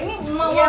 terima kasih pak bu